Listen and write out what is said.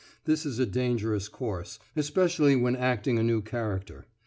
This is a dangerous course, especially when acting a new character.